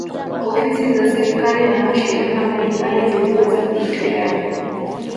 Ofisi za serikali na mashirika mbalimbali ziliweza kujitolea